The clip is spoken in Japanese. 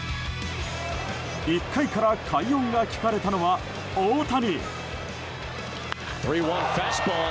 １回から快音が聞かれたのは大谷。